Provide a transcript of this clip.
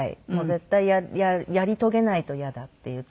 絶対やり遂げないと嫌だっていう。